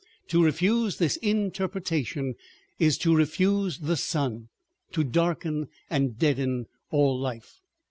To refuse this interpretation is to refuse the sun, to darken and deaden all life.